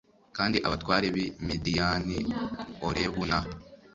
Kandi abatware b i Midiyani Orebu na